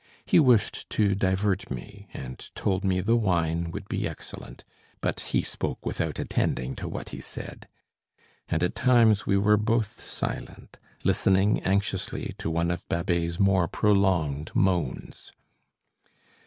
He wished to divert me, and told me the wine would be excellent; but he spoke without attending to what he said. And at times we were both silent, listening anxiously to one of Babet's more prolonged moans.